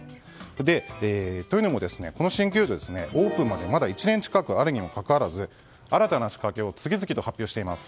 というのも、この新球場オープンまでまだ１年近くあるにもかかわらず新たな仕掛けを次々と発表しています。